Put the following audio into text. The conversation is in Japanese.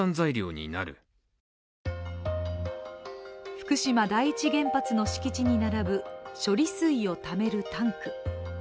福島第一原発の敷地に並ぶ、処理水をためるタンク。